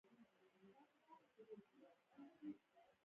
د دغې کیسې لنډ مقصد دې په خپلو خبرو کې ووايي.